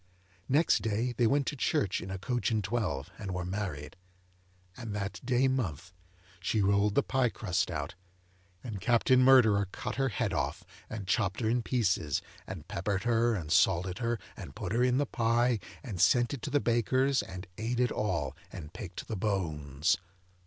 Next day they went to church in a coach and twelve, and were married. And that day month, she rolled the pie crust out, and Captain Murderer cut her head off, and chopped her in pieces, and peppered her, and salted her, and put her in the pie, and sent it to the baker's, and ate it all, and picked the bones.